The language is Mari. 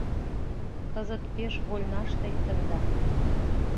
Кызыт пеш вольнаш лектында.